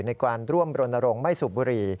ในการร่วมโรนโรงไม่สูบบุรี